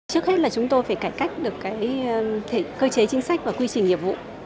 trước hết là chúng tôi phải cải cách được cơ chế chính sách và quy trình nhiệm vụ